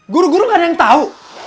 guru guru gak ada yang tahu